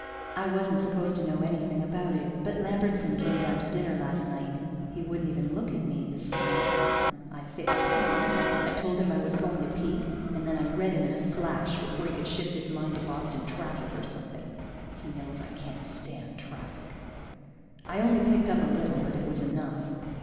I wasn't supposed to know anything about it, but Lambertson came down to dinner last night. He wouldn't even look at me, the skunk. I fixed him. I told him I was going to peek, and then I read him in a flash, before he could shift his mind to Boston traffic or something. (He knows I can't stand traffic.) I only picked up a little, but it was enough.